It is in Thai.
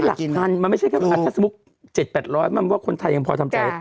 หลักกันมันไม่ใช่แค่อ่าถ้าสมมุติเจ็ดแปดร้อยมันว่าคนไทยยังพอทำใจ